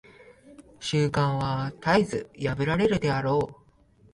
習慣は絶えず破られるであろう。